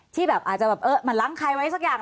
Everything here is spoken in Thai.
ที่แบบอาจจะแบบเออมันล้างใครไว้สักอย่าง